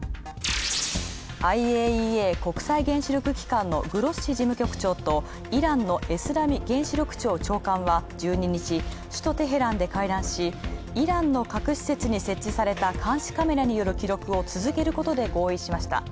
ＩＡＥＡ＝国際原子力機関のグロッシ事務局長とイランのエスラミ原子力長官は１２日、首都テヘランで会談し、イランの各施設に設置された監視カメラに記録を続けることで合意しました。